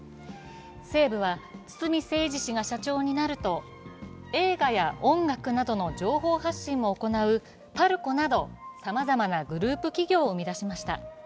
西武は堤清二氏が社長になると映画や音楽などの情報発信を行うパルコなどさまざまなグループ企業を生み出しました。